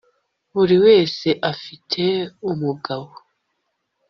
buri wese afite, umugabo